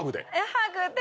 ハグで？